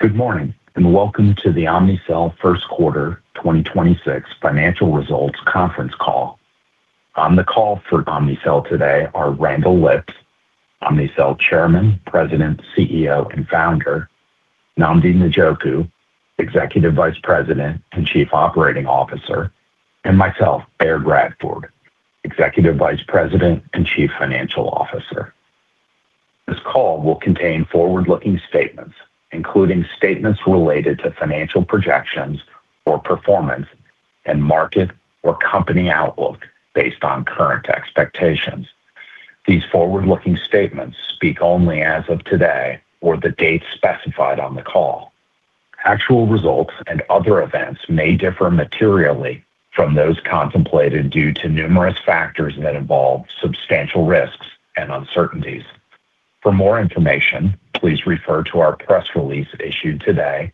Good morning, and welcome to the Omnicell First Quarter 2026 Financial Results conference call. On the call for Omnicell today are Randall Lipps, Omnicell Chairman, President, CEO, and Founder, Nnamdi Njoku, Executive Vice President and Chief Operating Officer, and myself, Baird Radford, Executive Vice President and Chief Financial Officer. This call will contain forward-looking statements, including statements related to financial projections or performance and market or company outlook based on current expectations. These forward-looking statements speak only as of today or the date specified on the call. Actual results and other events may differ materially from those contemplated due to numerous factors that involve substantial risks and uncertainties. For more information, please refer to our press release issued today,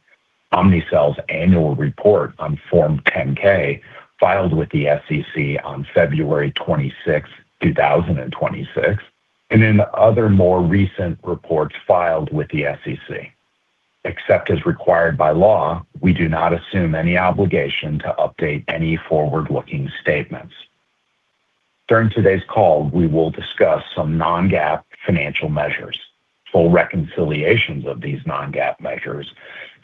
Omnicell's annual report on Form 10-K filed with the SEC on February 26, 2026, and in other more recent reports filed with the SEC. Except as required by law, we do not assume any obligation to update any forward-looking statements. During today's call, we will discuss some non-GAAP financial measures. Full reconciliations of these non-GAAP measures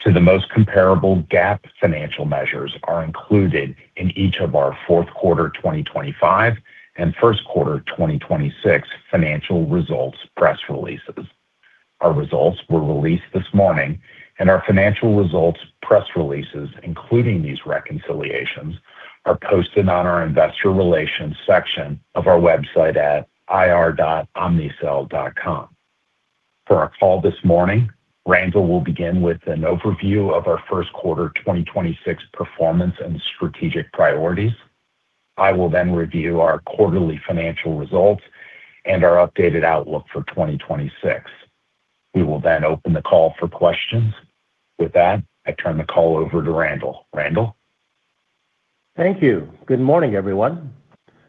to the most comparable GAAP financial measures are included in each of our Fourth Quarter 2025 and First Quarter 2026 Financial Results press releases. Our results were released this morning, and our financial results press releases, including these reconciliations, are posted on our investor relations section of our website at ir.omnicell.com. For our call this morning, Randall will begin with an overview of our first quarter 2026 performance and strategic priorities. I will then review our quarterly financial results and our updated outlook for 2026. We will then open the call for questions. With that, I turn the call over to Randall. Randall? Thank you. Good morning, everyone.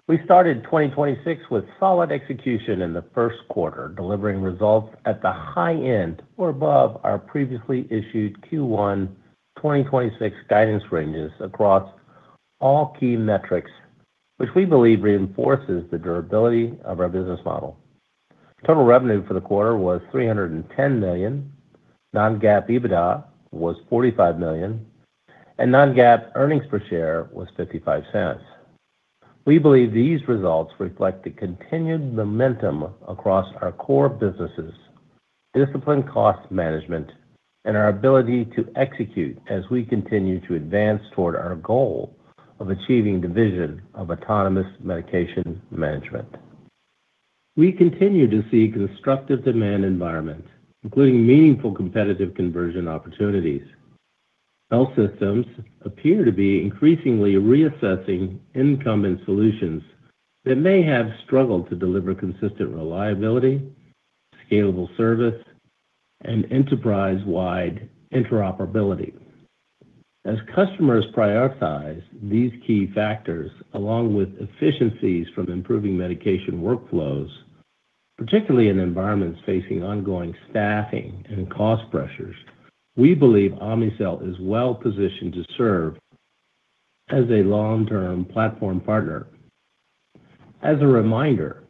We started 2026 with solid execution in the first quarter, delivering results at the high end or above our previously issued Q1 2026 guidance ranges across all key metrics, which we believe reinforces the durability of our business model. Total revenue for the quarter was $310 million, non-GAAP EBITDA was $45 million, and non-GAAP earnings per share was $0.55. We believe these results reflect the continued momentum across our core businesses, disciplined cost management, and our ability to execute as we continue to advance toward our goal of achieving the vision of autonomous medication management. We continue to see constructive demand environment, including meaningful competitive conversion opportunities. Health systems appear to be increasingly reassessing incumbent solutions that may have struggled to deliver consistent reliability, scalable service, and enterprise-wide interoperability. As customers prioritize these key factors along with efficiencies from improving medication workflows, particularly in environments facing ongoing staffing and cost pressures, we believe Omnicell is well positioned to serve as a long-term platform partner. As a reminder,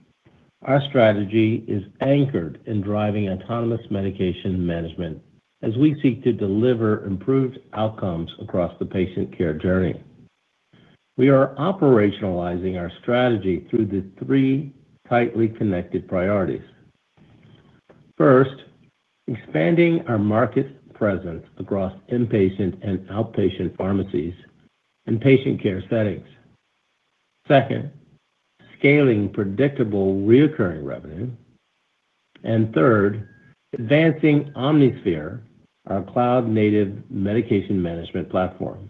our strategy is anchored in driving autonomous medication management as we seek to deliver improved outcomes across the patient care journey. We are operationalizing our strategy through the three tightly connected priorities. First, expanding our market presence across inpatient and outpatient pharmacies and patient care settings. Second, scaling predictable recurring revenue. Third, advancing OmniSphere, our cloud-native medication management platform.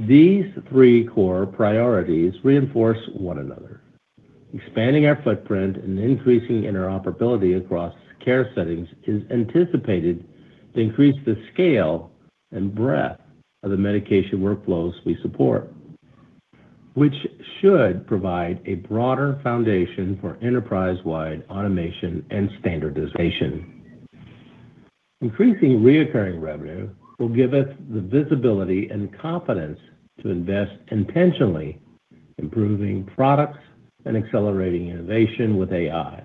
These three core priorities reinforce one another. Expanding our footprint and increasing interoperability across care settings is anticipated to increase the scale and breadth of the medication workflows we support, which should provide a broader foundation for enterprise-wide automation and standardization. Increasing recurring revenue will give us the visibility and confidence to invest intentionally, improving products and accelerating innovation with AI.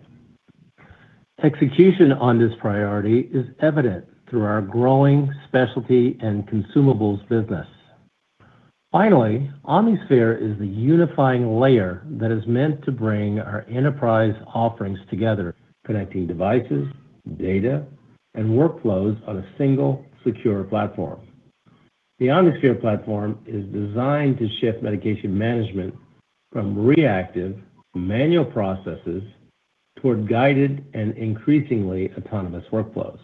Execution on this priority is evident through our growing specialty and consumables business. Finally, OmniSphere is the unifying layer that is meant to bring our enterprise offerings together, connecting devices, data, and workflows on a single secure platform. The OmniSphere platform is designed to shift medication management from reactive manual processes toward guided and increasingly autonomous workflows.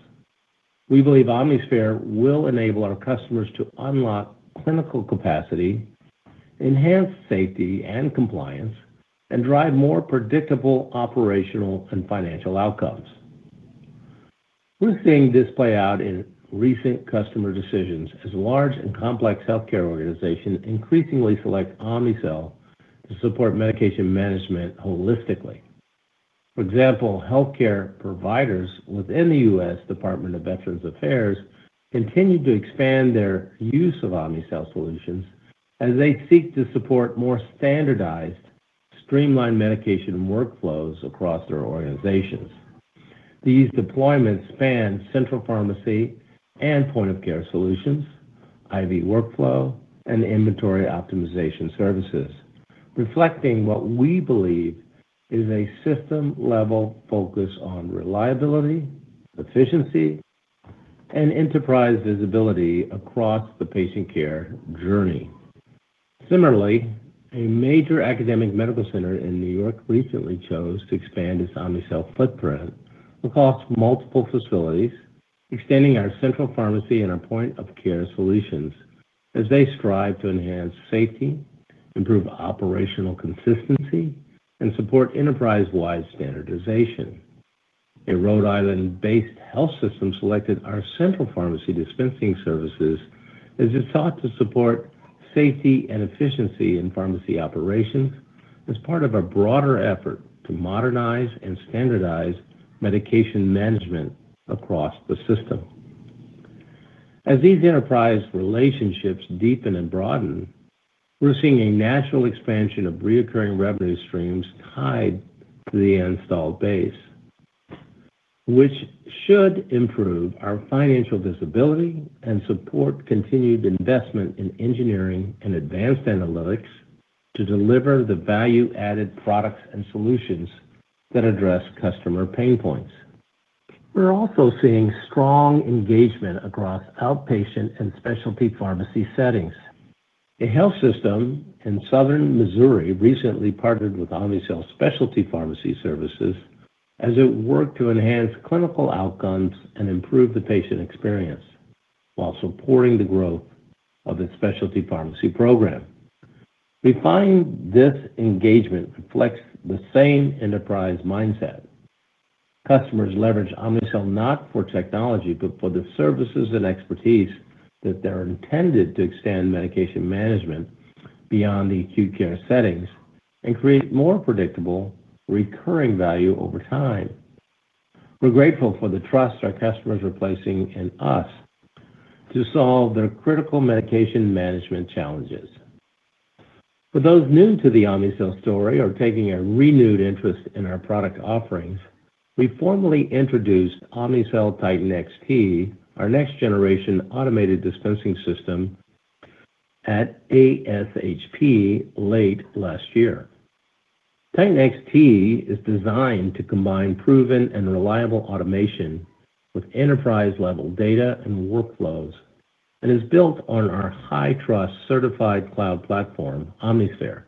We believe OmniSphere will enable our customers to unlock clinical capacity, enhance safety and compliance, and drive more predictable operational and financial outcomes. We're seeing this play out in recent customer decisions as large and complex healthcare organizations increasingly select Omnicell to support medication management holistically. For example, healthcare providers within the U.S. Department of Veterans Affairs continue to expand their use of Omnicell solutions as they seek to support more standardized streamlined medication workflows across their organizations. These deployments span central pharmacy and point-of-care solutions, IV workflow, and inventory optimization services, reflecting what we believe is a system-level focus on reliability, efficiency, and enterprise visibility across the patient care journey. Similarly, a major academic medical center in New York recently chose to expand its Omnicell footprint across multiple facilities, extending our central pharmacy and our point-of-care solutions as they strive to enhance safety, improve operational consistency, and support enterprise-wide standardization. A Rhode Island-based health system selected our central pharmacy dispensing services as it sought to support safety and efficiency in pharmacy operations as part of a broader effort to modernize and standardize medication management across the system. As these enterprise relationships deepen and broaden, we're seeing a natural expansion of reccurring revenue streams tied to the installed base, which should improve our financial visibility and support continued investment in engineering and advanced analytics to deliver the value-added products and solutions that address customer pain points. We're also seeing strong engagement across outpatient and specialty pharmacy settings. A health system in Southern Missouri recently partnered with Omnicell Specialty Pharmacy Services as it worked to enhance clinical outcomes and improve the patient experience while supporting the growth of its specialty pharmacy program. We find this engagement reflects the same enterprise mindset. Customers leverage Omnicell not for technology, but for the services and expertise that they are intended to extend medication management beyond the acute care settings and create more predictable recurring value over time. We're grateful for the trust our customers are placing in us to solve their critical medication management challenges. For those new to the Omnicell story or taking a renewed interest in our product offerings, we formally introduced Omnicell Titan XT, our next generation automated dispensing system, at ASHP late last year. Titan XT is designed to combine proven and reliable automation with enterprise-level data and workflows, and is built on our high trust certified cloud platform, OmniSphere.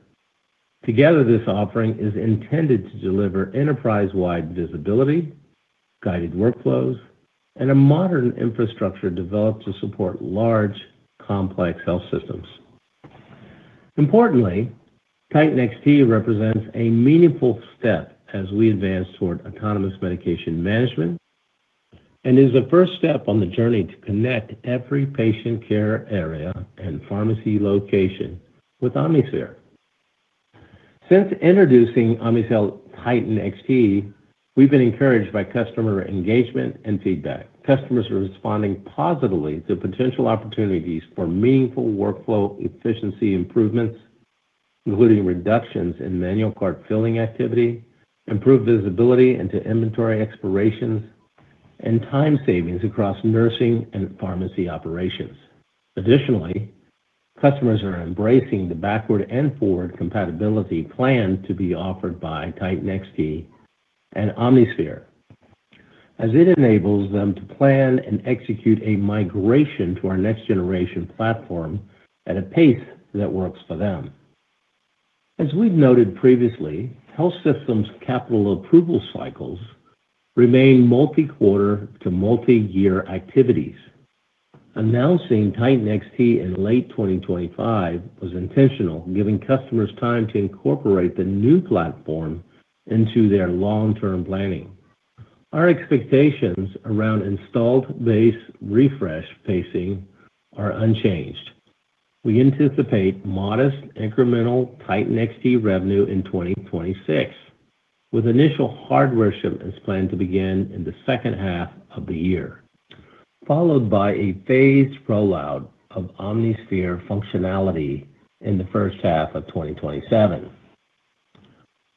Together, this offering is intended to deliver enterprise-wide visibility, guided workflows, and a modern infrastructure developed to support large, complex health systems. Importantly, Titan XT represents a meaningful step as we advance toward autonomous medication management and is the first step on the journey to connect every patient care area and pharmacy location with OmniSphere. Since introducing Omnicell Titan XT, we've been encouraged by customer engagement and feedback. Customers are responding positively to potential opportunities for meaningful workflow efficiency improvements, including reductions in manual cart filling activity, improved visibility into inventory expirations, and time savings across nursing and pharmacy operations. Additionally, customers are embracing the backward and forward compatibility plan to be offered by Titan XT and OmniSphere as it enables them to plan and execute a migration to our next generation platform at a pace that works for them. As we've noted previously, health systems capital approval cycles remain multi-quarter to multi-year activities. Announcing Titan XT in late 2025 was intentional, giving customers time to incorporate the new platform into their long-term planning. Our expectations around installed base refresh pacing are unchanged. We anticipate modest incremental Titan XT revenue in 2026, with initial hardware shipments planned to begin in the second half of the year, followed by a phased rollout of OmniSphere functionality in the first half of 2027.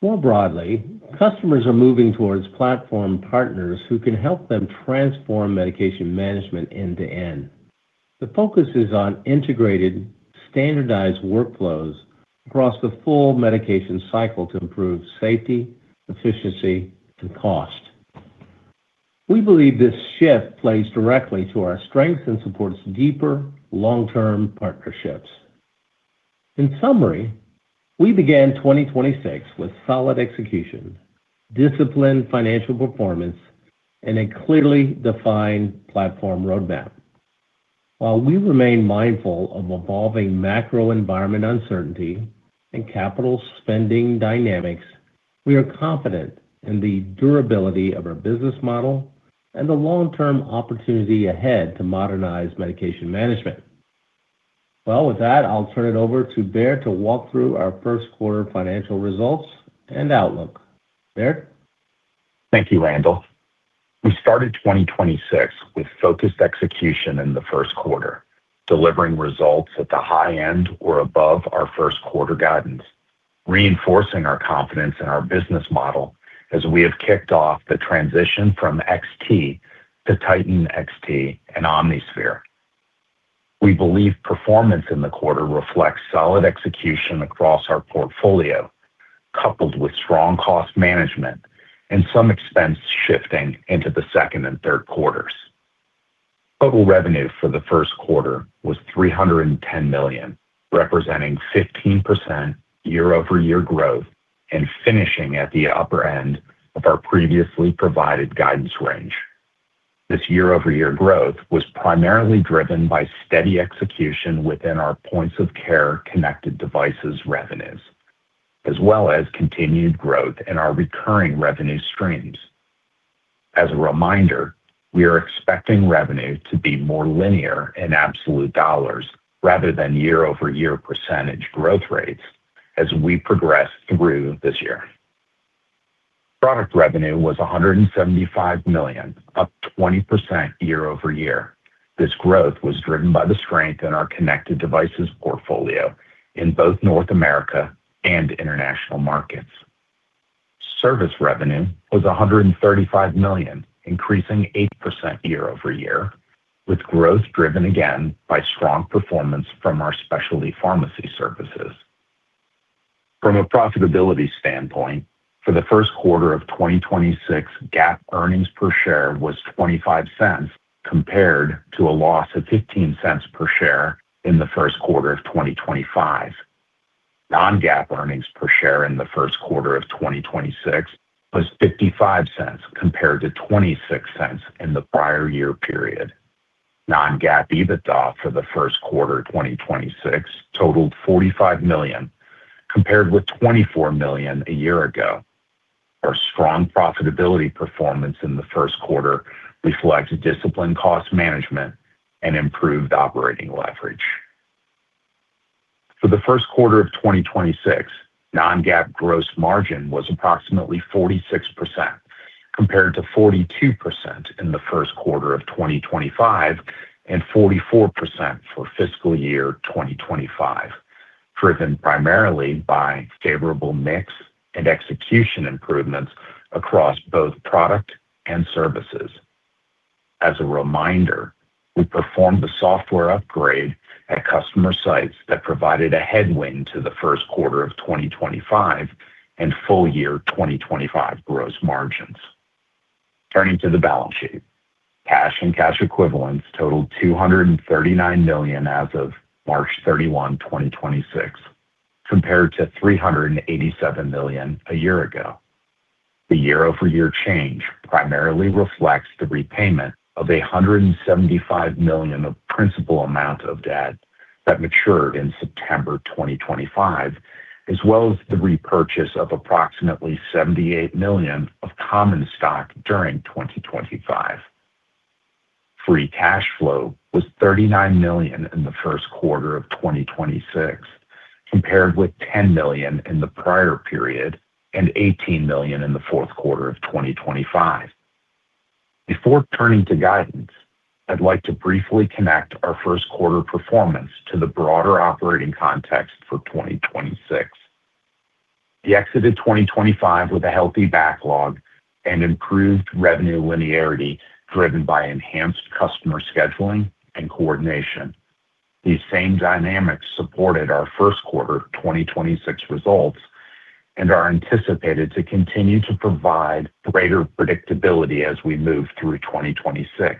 More broadly, customers are moving towards platform partners who can help them transform medication management end to end. The focus is on integrated standardized workflows across the full medication cycle to improve safety, efficiency, and cost. We believe this shift plays directly to our strength and supports deeper long-term partnerships. In summary, we began 2026 with solid execution, disciplined financial performance, and a clearly defined platform roadmap. While we remain mindful of evolving macro environment uncertainty and capital spending dynamics, we are confident in the durability of our business model and the long-term opportunity ahead to modernize medication management. Well, with that, I'll turn it over to Baird to walk through our first quarter financial results and outlook. Baird? Thank you, Randall. We started 2026 with focused execution in the first quarter, delivering results at the high end or above our first quarter guidance, reinforcing our confidence in our business model as we have kicked off the transition from XT to Titan XT and OmniSphere. We believe performance in the quarter reflects solid execution across our portfolio, coupled with strong cost management and some expense shifting into the second and third quarters. Total revenue for the first quarter was $310 million, representing 15% year-over-year growth and finishing at the upper end of our previously provided guidance range. This year-over-year growth was primarily driven by steady execution within our points of care connected devices revenues, as well as continued growth in our recurring revenue streams. As a reminder, we are expecting revenue to be more linear in absolute dollars rather than year-over-year percentage growth rates as we progress through this year. Product revenue was $175 million, up 20% year-over-year. This growth was driven by the strength in our connected devices portfolio in both North America and international markets. Service revenue was $135 million, increasing 8% year-over-year, with growth driven again by strong performance from our specialty pharmacy services. From a profitability standpoint, for the first quarter of 2026, GAAP earnings per share was $0.25 compared to a loss of $0.15 per share in the first quarter of 2025. non-GAAP earnings per share in the first quarter of 2026 was $0.55 compared to $0.26 in the prior year period. Non-GAAP EBITDA for the first quarter of 2026 totaled $45 million, compared with $24 million a year ago. Our strong profitability performance in the first quarter reflects disciplined cost management and improved operating leverage. For the first quarter of 2026, non-GAAP gross margin was approximately 46% compared to 42% in the first quarter of 2025 and 44% for fiscal year 2025, driven primarily by favorable mix and execution improvements across both product and services. As a reminder, we performed the software upgrade at customer sites that provided a headwind to the first quarter of 2025 and full year 2025 gross margins. Turning to the balance sheet, cash and cash equivalents totaled $239 million as of March 31, 2026, compared to $387 million a year ago. The year-over-year change primarily reflects the repayment of $175 million of principal amount of debt that matured in September 2025, as well as the repurchase of approximately $78 million of common stock during 2025. Free cash flow was $39 million in the first quarter of 2026, compared with $10 million in the prior period and $18 million in the fourth quarter of 2025. Before turning to guidance, I'd like to briefly connect our first quarter performance to the broader operating context for 2026. We exited 2025 with a healthy backlog and improved revenue linearity driven by enhanced customer scheduling and coordination. These same dynamics supported our first quarter 2026 results and are anticipated to continue to provide greater predictability as we move through 2026.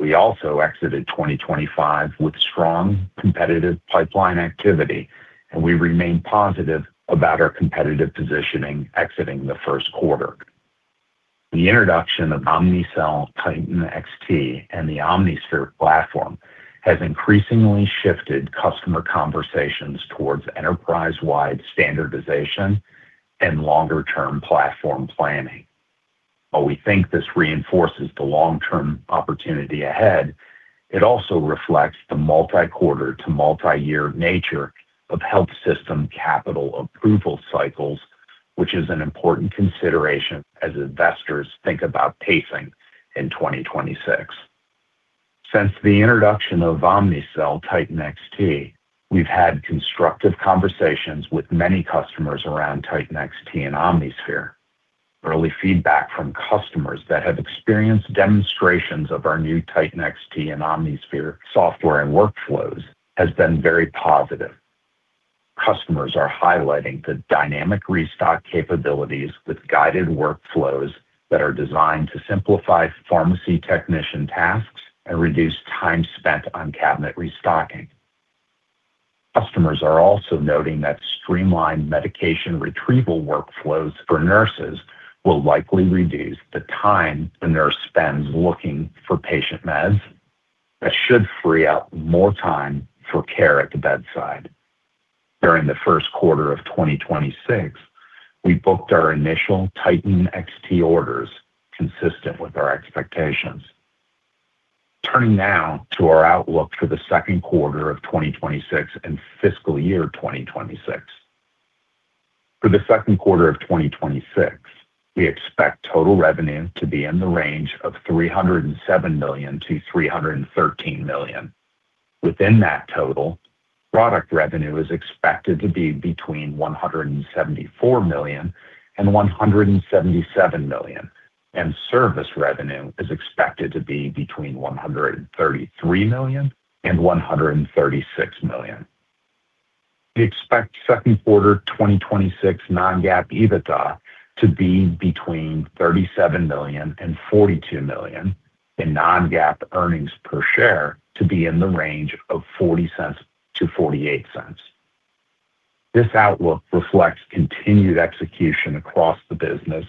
We also exited 2025 with strong competitive pipeline activity, we remain positive about our competitive positioning exiting the first quarter. The introduction of Omnicell Titan XT and the OmniSphere platform has increasingly shifted customer conversations towards enterprise-wide standardization and longer-term platform planning. While we think this reinforces the long-term opportunity ahead, it also reflects the multi-quarter to multi-year nature of health system capital approval cycles, which is an important consideration as investors think about pacing in 2026. Since the introduction of Omnicell Titan XT, we've had constructive conversations with many customers around Titan XT and OmniSphere. Early feedback from customers that have experienced demonstrations of our new Titan XT and OmniSphere software and workflows has been very positive. Customers are highlighting the dynamic restock capabilities with guided workflows that are designed to simplify pharmacy technician tasks and reduce time spent on cabinet restocking. Customers are also noting that streamlined medication retrieval workflows for nurses will likely reduce the time the nurse spends looking for patient meds. That should free up more time for care at the bedside. During the first quarter of 2026, we booked our initial Titan XT orders consistent with our expectations. Turning now to our outlook for the second quarter of 2026 and fiscal year 2026. For the second quarter of 2026, we expect total revenue to be in the range of $307 million-$313 million. Within that total, product revenue is expected to be between $174 million and $177 million, and service revenue is expected to be between $133 million and $136 million. We expect second quarter 2026 non-GAAP EBITDA to be between $37 million and $42 million and non-GAAP earnings per share to be in the range of $0.40-$0.48. This outlook reflects continued execution across the business,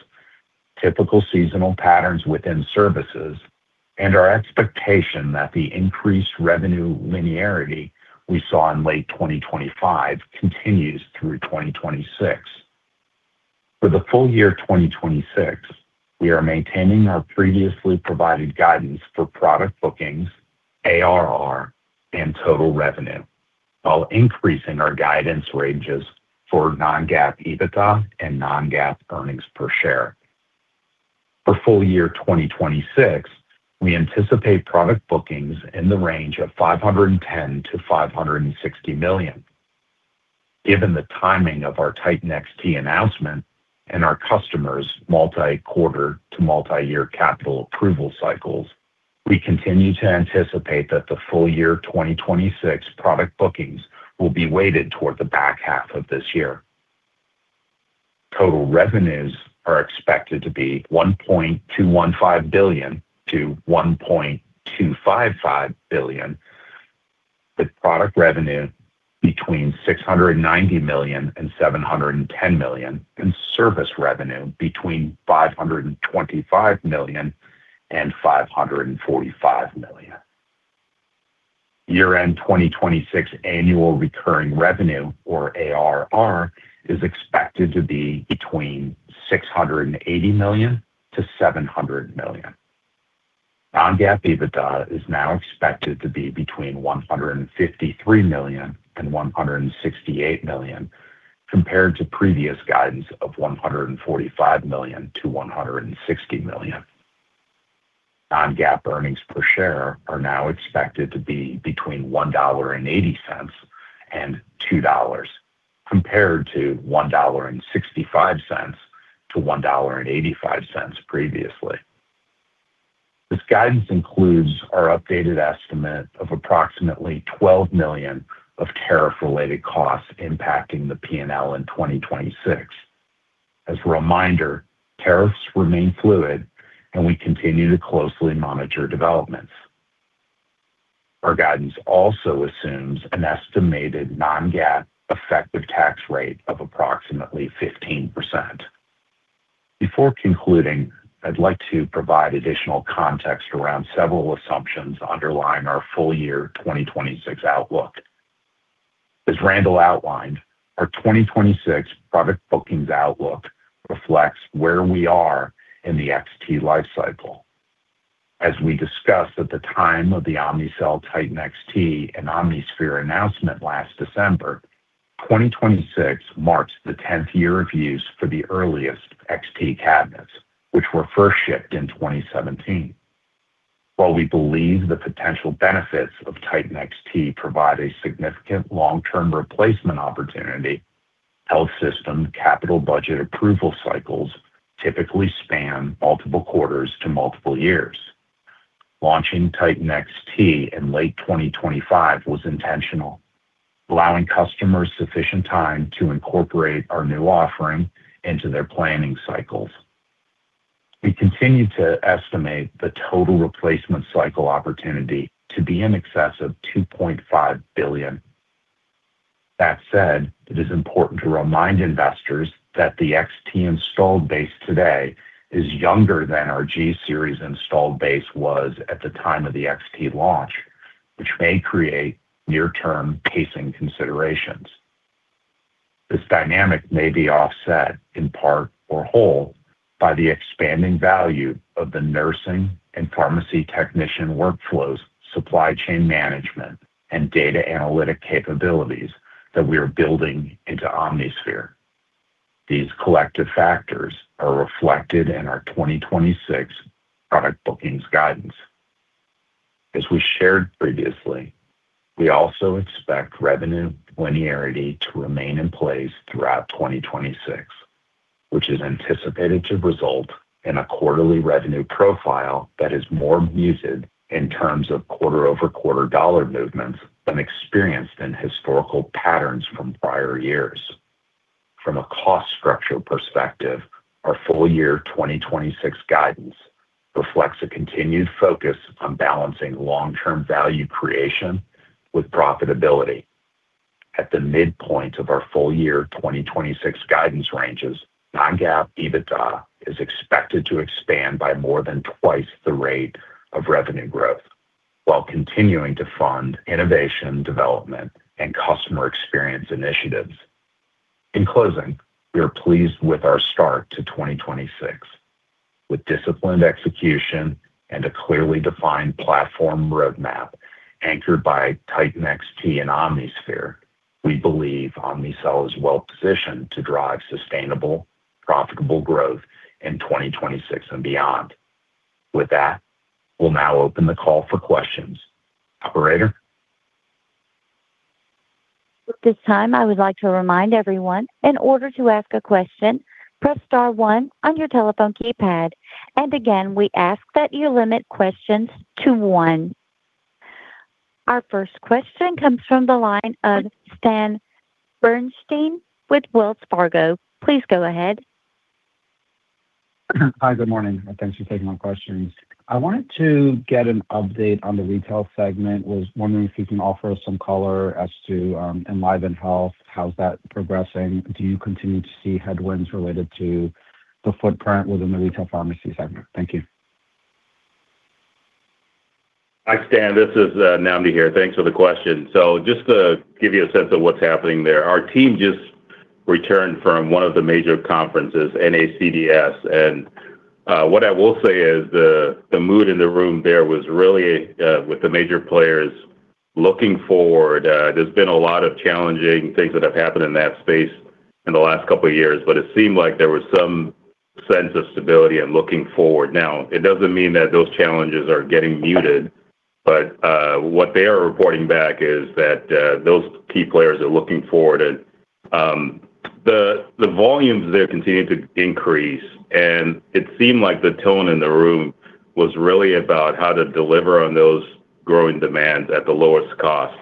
typical seasonal patterns within services, and our expectation that the increased revenue linearity we saw in late 2025 continues through 2026. For the full year 2026, we are maintaining our previously provided guidance for product bookings, ARR, and total revenue, while increasing our guidance ranges for non-GAAP EBITDA and non-GAAP earnings per share. For full year 2026, we anticipate product bookings in the range of $510 million-$560 million. Given the timing of our Titan XT announcement and our customers' multi-quarter to multi-year capital approval cycles, we continue to anticipate that the full year 2026 product bookings will be weighted toward the back half of this year. Total revenues are expected to be $1.215 billion-$1.255 billion, with product revenue between $690 million and $710 million, and service revenue between $525 million and $545 million. Year-end 2026 annual recurring revenue, or ARR, is expected to be between $680 million-$700 million. non-GAAP EBITDA is now expected to be between $153 million and $168 million, compared to previous guidance of $145 million-$160 million. Non-GAAP earnings per share are now expected to be between $1.80 and $2.00, compared to $1.65-$1.85 previously. This guidance includes our updated estimate of approximately $12 million of tariff-related costs impacting the P&L in 2026. As a reminder, tariffs remain fluid, and we continue to closely monitor developments. Our guidance also assumes an estimated non-GAAP effective tax rate of approximately 15%. Before concluding, I'd like to provide additional context around several assumptions underlying our full year 2026 outlook. As Randall outlined, our 2026 product bookings outlook reflects where we are in the XT lifecycle. As we discussed at the time of the Omnicell Titan XT and OmniSphere announcement last December, 2026 marks the 10th year of use for the earliest XT cabinets, which were first shipped in 2017. While we believe the potential benefits of Titan XT provide a significant long-term replacement opportunity, health system capital budget approval cycles typically span multiple quarters to multiple years. Launching Titan XT in late 2025 was intentional, allowing customers sufficient time to incorporate our new offering into their planning cycles. We continue to estimate the total replacement cycle opportunity to be in excess of $2.5 billion. That said, it is important to remind investors that the XT installed base today is younger than our G-series installed base was at the time of the XT launch, which may create near-term pacing considerations. This dynamic may be offset in part or whole by the expanding value of the nursing and pharmacy technician workflows, supply chain management, and data analytic capabilities that we are building into OmniSphere. These collective factors are reflected in our 2026 product bookings guidance. As we shared previously, we also expect revenue linearity to remain in place throughout 2026, which is anticipated to result in a quarterly revenue profile that is more muted in terms of quarter-over-quarter dollar movements than experienced in historical patterns from prior years. From a cost structure perspective, our full year 2026 guidance reflects a continued focus on balancing long-term value creation with profitability. At the midpoint of our full year 2026 guidance ranges, non-GAAP EBITDA is expected to expand by more than twice the rate of revenue growth. While continuing to fund innovation development and customer experience initiatives. In closing, we are pleased with our start to 2026 with disciplined execution and a clearly defined platform roadmap anchored by Titan XT and OmniSphere. We believe Omnicell is well-positioned to drive sustainable, profitable growth in 2026 and beyond. With that, we'll now open the call for questions. Operator. Our first question comes from the line of Stan Berenshteyn with Wells Fargo. Please go ahead. Hi, good morning. Thanks for taking my questions. I wanted to get an update on the retail segment. Was wondering if you can offer some color as to EnlivenHealth, how's that progressing? Do you continue to see headwinds related to the footprint within the retail pharmacy segment? Thank you. Hi, Stan. This is Nnamdi here. Thanks for the question. Just to give you a sense of what's happening there, our team just returned from one of the major conferences, NACDS. What I will say is the mood in the room there was really with the major players looking forward. There's been a lot of challenging things that have happened in that space in the last couple of years, but it seemed like there was some sense of stability and looking forward. Now, it doesn't mean that those challenges are getting muted, but what they are reporting back is that those key players are looking forward. The volumes there continue to increase, and it seemed like the tone in the room was really about how to deliver on those growing demands at the lowest cost.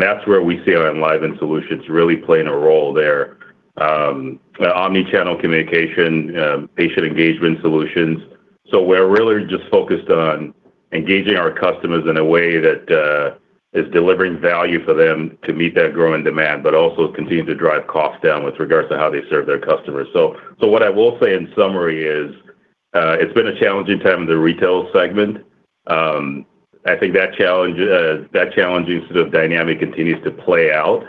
That's where we see our Enliven solutions really playing a role there. Omnichannel communication, patient engagement solutions. We're really just focused on engaging our customers in a way that is delivering value for them to meet that growing demand, but also continue to drive costs down with regards to how they serve their customers. What I will say in summary is, it's been a challenging time in the retail segment. I think that challenge, that challenging sort of dynamic continues to play out.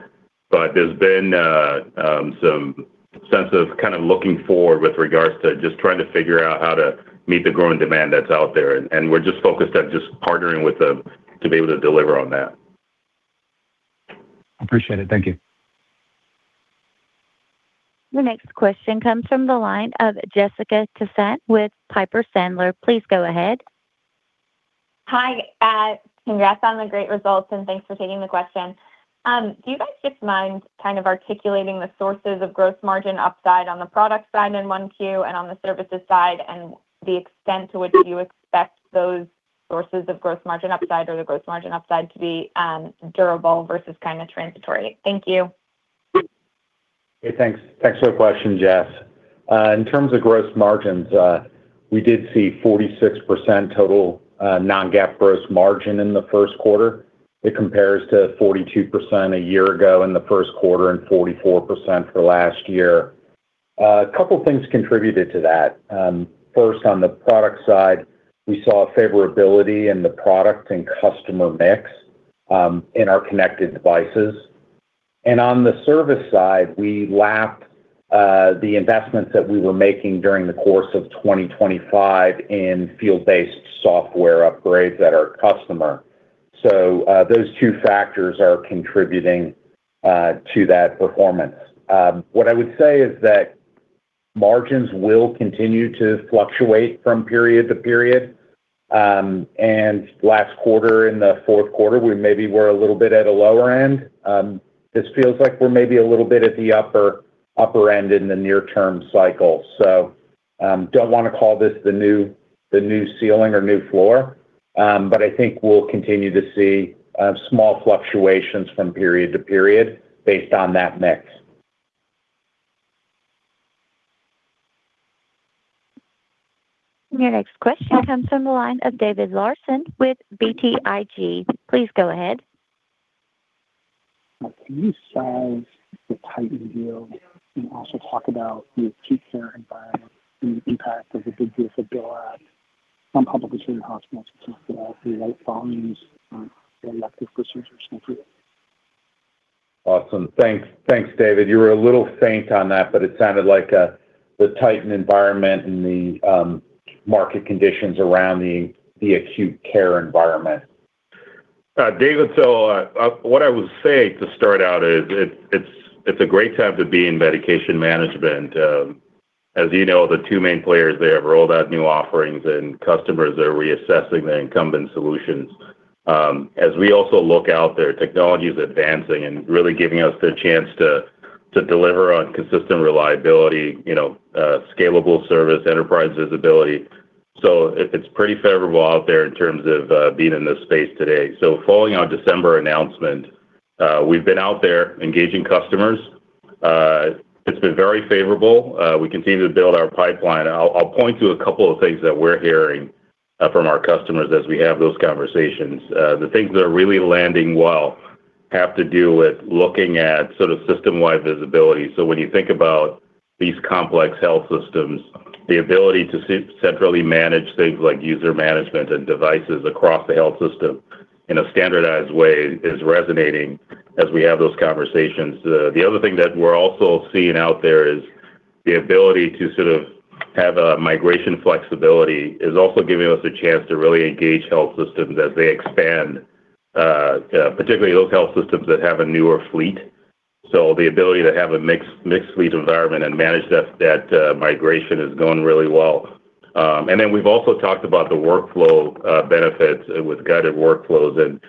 There's been some sense of kind of looking forward with regards to just trying to figure out how to meet the growing demand that's out there. We're just focused on just partnering with them to be able to deliver on that. Appreciate it. Thank you. The next question comes from the line of Jessica Tassan with Piper Sandler. Please go ahead. Hi. Congrats on the great results, and thanks for taking the question. Do you guys just mind kind of articulating the sources of gross margin upside on the product side in 1Q and on the services side and the extent to which you expect those sources of gross margin upside or the gross margin upside to be durable versus kind of transitory? Thank you. Hey, thanks. Thanks for the question, Jess. In terms of gross margins, we did see 46% total non-GAAP gross margin in the first quarter. It compares to 42% a year ago in the first quarter and 44% for last year. A couple things contributed to that. First, on the product side, we saw a favorability in the product and customer mix in our connected devices. On the service side, we lapped the investments that we were making during the course of 2025 in field-based software upgrades at our customer. Those two factors are contributing to that performance. What I would say is that margins will continue to fluctuate from period to period. Last quarter, in the fourth quarter, we maybe were a little bit at a lower end. This feels like we're maybe a little bit at the upper end in the near-term cycle. Don't wanna call this the new ceiling or new floor. I think we'll continue to see small fluctuations from period to period based on that mix. Your next question comes from the line of David Larsen with BTIG. Please go ahead. Can you size the Titan deal and also talk about the acute care environment and the impact of the One Big Beautiful Bill Act on public insurance hospitals, particularly volumes on elective procedures going through? Awesome. Thanks. Thanks, David. You were a little faint on that, but it sounded like the Titan environment and the market conditions around the acute care environment. David, what I would say to start out is it's a great time to be in medication management. As you know, the two main players there have rolled out new offerings, and customers are reassessing the incumbent solutions. As we also look out there, technology is advancing and really giving us the chance to deliver on consistent reliability, you know, scalable service, enterprise visibility. It's pretty favorable out there in terms of being in this space today. Following our December announcement, we've been out there engaging customers. It's been very favorable. We continue to build our pipeline. I'll point to a couple of things that we're hearing from our customers as we have those conversations. The things that are really landing well have to do with looking at sort of system-wide visibility. When you think about these complex health systems, the ability to centrally manage things like user management and devices across the health system in a standardized way is resonating as we have those conversations. The other thing that we're also seeing out there is the ability to sort of have a migration flexibility is also giving us a chance to really engage health systems as they expand, particularly those health systems that have a newer fleet. The ability to have a mixed fleet environment and manage that migration is going really well. Then we've also talked about the workflow benefits with guided workflows and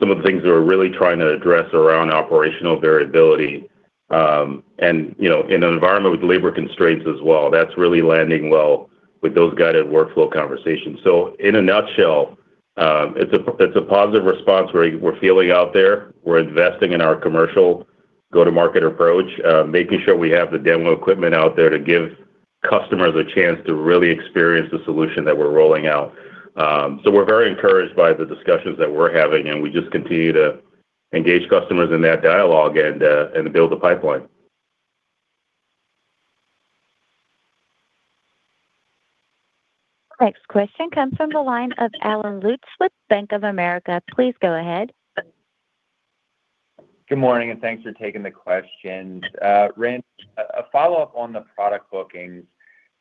some of the things that we're really trying to address around operational variability. You know, in an environment with labor constraints as well, that's really landing well with those guided workflow conversations. In a nutshell, it's a positive response we're feeling out there. We're investing in our commercial go-to-market approach, making sure we have the demo equipment out there to give customers a chance to really experience the solution that we're rolling out. We're very encouraged by the discussions that we're having, and we just continue to engage customers in that dialogue and build the pipeline. Next question comes from the line of Allen Lutz with Bank of America. Please go ahead. Good morning, and thanks for taking the questions. Rand, a follow-up on the product bookings.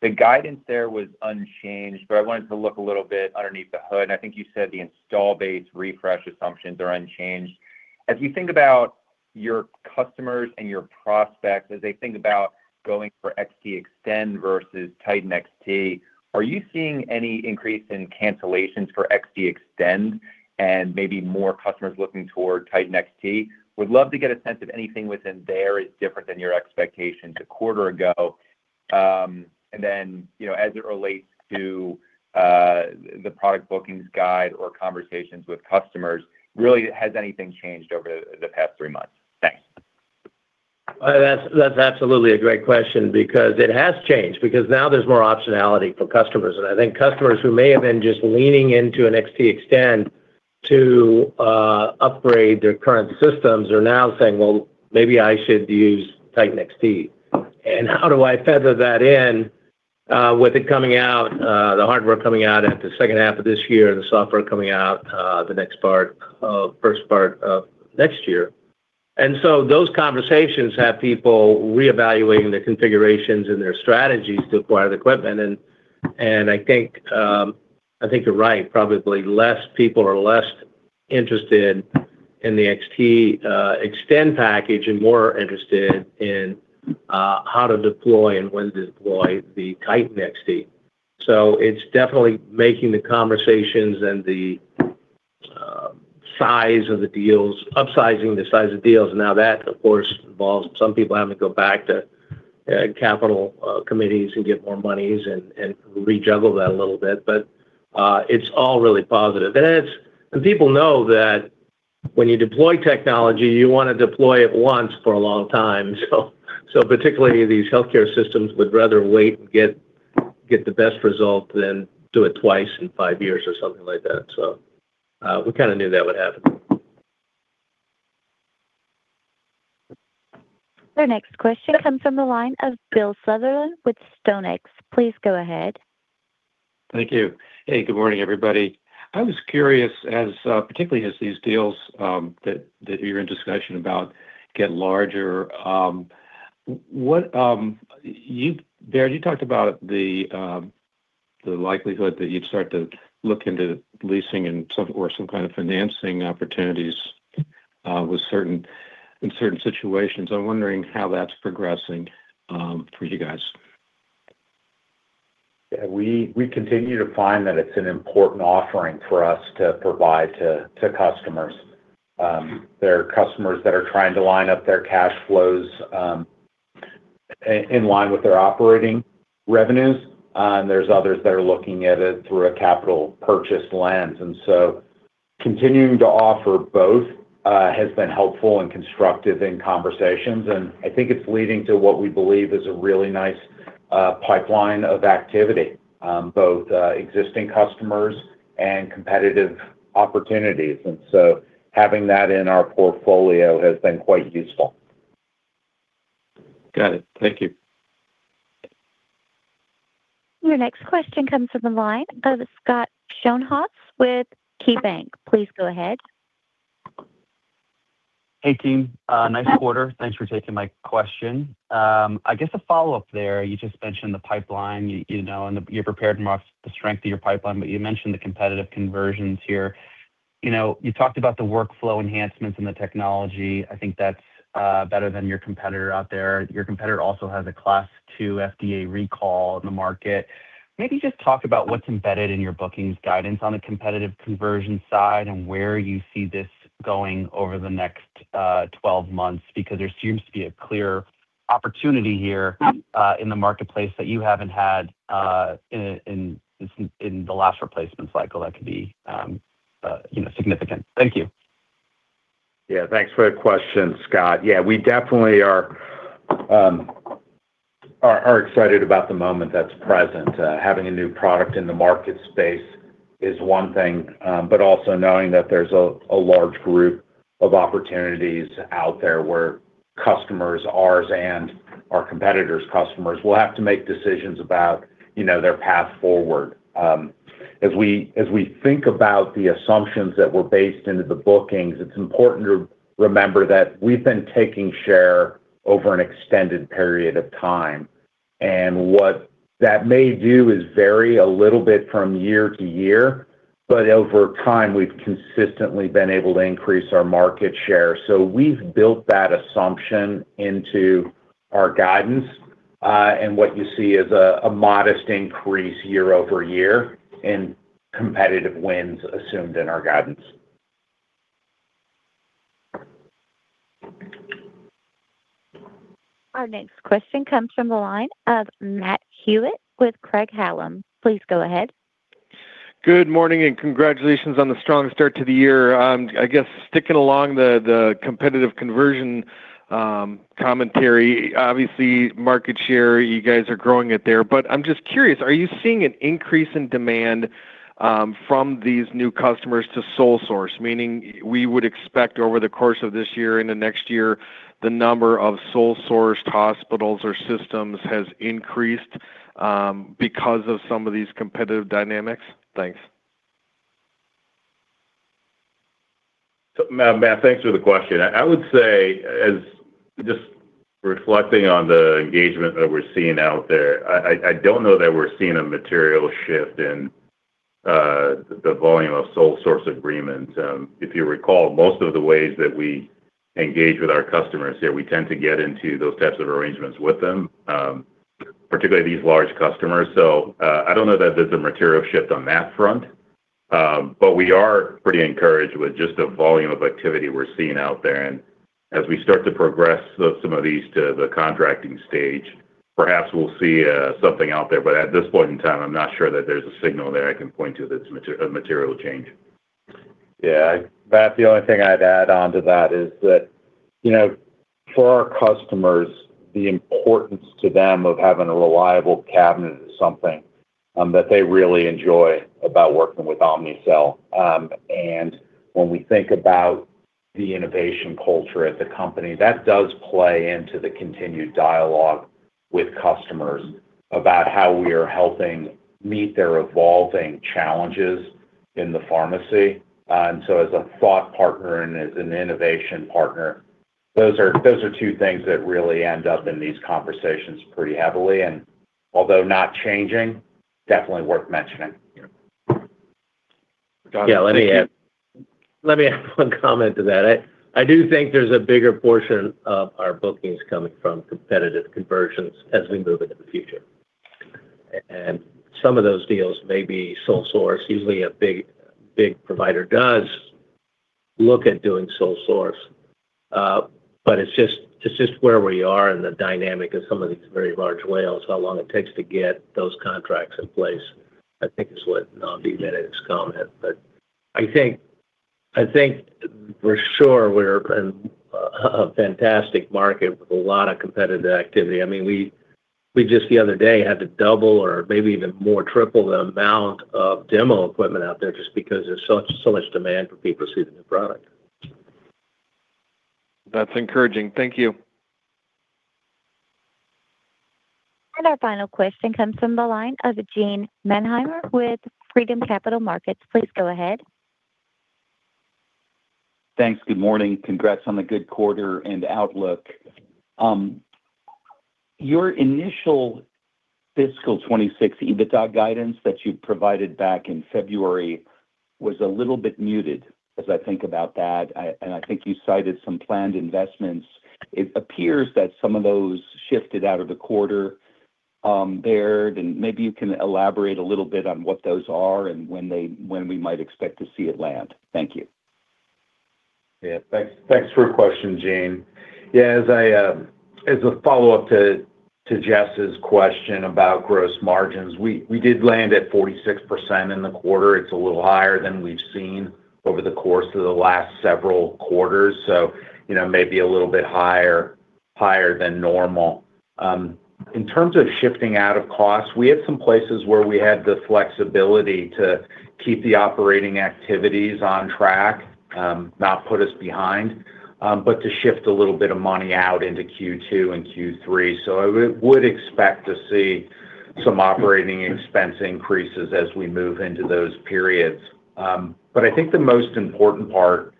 The guidance there was unchanged, but I wanted to look a little bit underneath the hood. I think you said the install base refresh assumptions are unchanged. As you think about your customers and your prospects, as they think about going for XTExtend versus Titan XT, are you seeing any increase in cancellations for XTExtend and maybe more customers looking toward Titan XT? Would love to get a sense if anything within there is different than your expectations a quarter ago. Then, you know, as it relates to the product bookings guide or conversations with customers, really, has anything changed over the past three months? Thanks. That's absolutely a great question because it has changed because now there's more optionality for customers. I think customers who may have been just leaning into an XTExtend to upgrade their current systems are now saying, "Well, maybe I should use Titan XT, and how do I feather that in with it coming out, the hardware coming out at the second half of this year and the software coming out, first part of next year?" Those conversations have people reevaluating their configurations and their strategies to acquire the equipment. I think you're right. Probably less people are less interested in the XTExtend package and more interested in how to deploy and when to deploy the Titan XT. It's definitely making the conversations and the size of the deals, upsizing the size of deals. That, of course, involves some people having to go back to capital committees and get more monies and rejuggle that a little bit. It's all really positive. People know that when you deploy technology, you want to deploy it once for a long time. Particularly these healthcare systems would rather wait and get the best result than do it twice in five years or something like that. We kind of knew that would happen. Our next question comes from the line of Bill Sutherland with StoneX. Please go ahead. Thank you. Hey, good morning, everybody. I was curious as, particularly as these deals that you're in discussion about get larger, Baird, you talked about the likelihood that you'd start to look into leasing or some kind of financing opportunities in certain situations. I'm wondering how that's progressing for you guys. Yeah, we continue to find that it's an important offering for us to provide to customers. There are customers that are trying to line up their cash flows, in line with their operating revenues, and there's others that are looking at it through a capital purchase lens. Continuing to offer both has been helpful and constructive in conversations, and I think it's leading to what we believe is a really nice pipeline of activity, both existing customers and competitive opportunities. Having that in our portfolio has been quite useful. Got it. Thank you. Your next question comes from the line of Scott Schoenhaus with KeyBanc. Please go ahead. Hey, team. Nice quarter. Thanks for taking my question. I guess a follow-up there, you just mentioned the pipeline, you know, and you're prepared to mark the strength of your pipeline, but you mentioned the competitive conversions here. You know, you talked about the workflow enhancements and the technology. I think that's better than your competitor out there. Your competitor also has a Class II FDA recall in the market. Maybe just talk about what's embedded in your bookings guidance on the competitive conversion side and where you see this going over the next 12 months because there seems to be a clear opportunity here in the marketplace that you haven't had in the last replacement cycle that could be, you know, significant. Thank you. Yeah, thanks for the question, Scott. Yeah, we definitely are excited about the moment that's present. Having a new product in the market space is one thing, but also knowing that there's a large group of opportunities out there where customers, ours and our competitors' customers, will have to make decisions about, you know, their path forward. As we think about the assumptions that were based into the bookings, it's important to remember that we've been taking share over an extended period of time. What that may do is vary a little bit from year to year, but over time, we've consistently been able to increase our market share. We've built that assumption into our guidance. What you see is a modest increase year-over-year and competitive wins assumed in our guidance. Our next question comes from the line of Matt Hewitt with Craig-Hallum. Please go ahead. Good morning and congratulations on the strong start to the year. I guess sticking along the competitive conversion commentary, obviously, market share, you guys are growing it there. I'm just curious, are you seeing an increase in demand from these new customers to sole source, meaning we would expect over the course of this year and the next year the number of sole sourced hospitals or systems has increased because of some of these competitive dynamics? Thanks. Matt, thanks for the question. I would say as just reflecting on the engagement that we're seeing out there, I don't know that we're seeing a material shift in the volume of sole source agreements. If you recall, most of the ways that we engage with our customers here, we tend to get into those types of arrangements with them, particularly these large customers. I don't know that there's a material shift on that front. We are pretty encouraged with just the volume of activity we're seeing out there. As we start to progress some of these to the contracting stage, perhaps we'll see something out there. At this point in time, I'm not sure that there's a signal there I can point to that's a material change. Yeah. Matt, the only thing I'd add on to that is that, you know, for our customers, the importance to them of having a reliable cabinet is something that they really enjoy about working with Omnicell. When we think about the innovation culture at the company, that does play into the continued dialogue with customers about how we are helping meet their evolving challenges in the pharmacy. As a thought partner and as an innovation partner, those are two things that really end up in these conversations pretty heavily. Although not changing, definitely worth mentioning. Yeah. Got it. Thank you. Yeah, let me add one comment to that. I do think there's a bigger portion of our bookings coming from competitive conversions as we move into the future. Some of those deals may be sole source. Usually, a big provider does look at doing sole source. It's just where we are and the dynamic of some of these very large whales, how long it takes to get those contracts in place, I think is what Nnamdi meant in his comment. I think for sure we're in a fantastic market with a lot of competitive activity. I mean, we just the other day had to double or maybe even more triple the amount of demo equipment out there just because there's so much demand for people to see the new product. That's encouraging. Thank you. Our final question comes from the line of Gene Mannheimer with Freedom Capital Markets. Please go ahead. Thanks. Good morning. Congrats on the good quarter and outlook. Your initial fiscal 2026 EBITDA guidance that you provided back in February was a little bit muted as I think about that. I think you cited some planned investments. It appears that some of those shifted out of the quarter there. Maybe you can elaborate a little bit on what those are and when they, when we might expect to see it land. Thank you. Thanks for the question, Gene. As I, as a follow-up to Jess's question about gross margins, we did land at 46% in the quarter. It's a little higher than we've seen over the course of the last several quarters, so you know, maybe a little bit higher than normal. In terms of shifting out of costs, we had some places where we had the flexibility to keep the operating activities on track, not put us behind, but to shift a little bit of money out into Q2 and Q3. I would expect to see some operating expense increases as we move into those periods. I think the most important part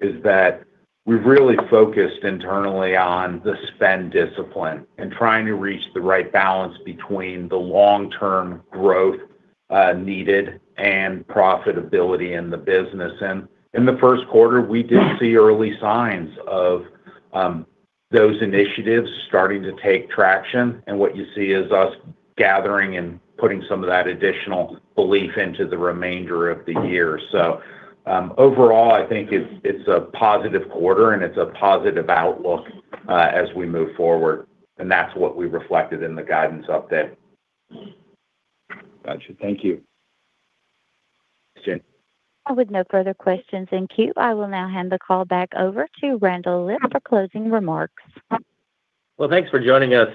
is that we've really focused internally on the spend discipline and trying to reach the right balance between the long-term growth needed and profitability in the business. In the first quarter, we did see early signs of those initiatives starting to take traction. What you see is us gathering and putting some of that additional belief into the remainder of the year. Overall, I think it's a positive quarter and it's a positive outlook as we move forward, and that's what we reflected in the guidance update. Gotcha. Thank you. With no further questions in queue, I will now hand the call back over to Randall Lipps for closing remarks. Well, thanks for joining us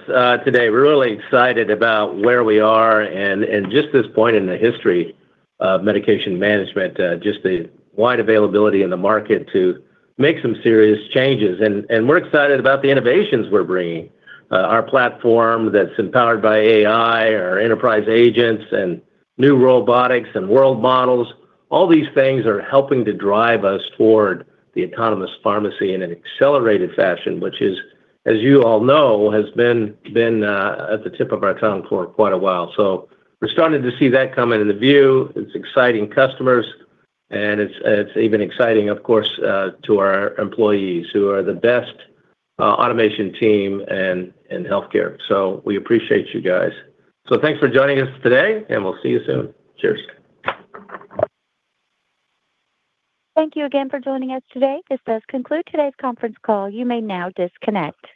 today. We're really excited about where we are and just this point in the history of medication management, just the wide availability in the market to make some serious changes. We're excited about the innovations we're bringing. Our platform that's empowered by AI, our enterprise agents, and new robotics and world models, all these things are helping to drive us toward the Autonomous Pharmacy in an accelerated fashion, which is, as you all know, has been at the tip of our tongue for quite a while. We're starting to see that come into view. It's exciting customers, and it's even exciting, of course, to our employees who are the best automation team in healthcare. We appreciate you guys. Thanks for joining us today, and we'll see you soon. Cheers. Thank you again for joining us today. This does conclude today's conference call. You may now disconnect.